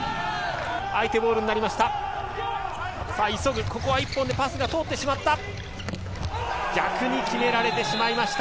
相手ボールになりました。